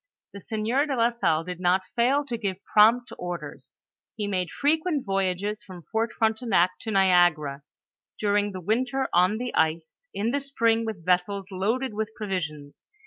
The sieur de la Salle did not fail to give prompt orders; he made frequent voyages from Fort Frontenac to Niagara, during the winter on the ice, in the spring with vessels loaded with provisions.